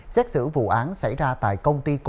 xét xử vụ án xảy ra tại công ty cổ